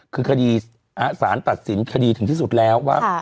คือคดีสารตัดสินคดีถึงที่สุดแล้วว่า